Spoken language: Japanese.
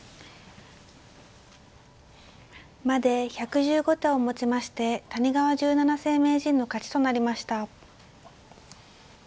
まで１１５手をもちまして谷川十七世名人の勝ちとなりました。